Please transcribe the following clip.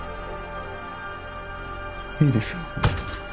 いいですよ。